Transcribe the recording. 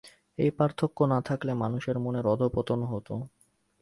এই পার্থক্য না থাকলে মানুষের মনের অধঃপতন হত।